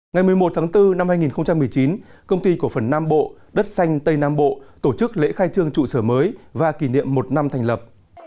ngày một mươi một tháng bốn năm hai nghìn một mươi chín công ty cổ phần nam bộ đất xanh tây nam bộ tổ chức lễ khai trương trụ sở mới và kỷ niệm một năm thành lập